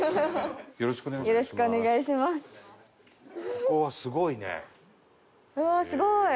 ここはすごいね。